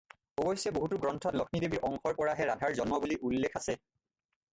অৱশ্যে বহুতো গ্ৰন্থত লক্ষ্মীদেৱীৰ অংশৰ পৰাহে ৰাধাৰ জন্ম বুলি উল্লেখ আছে।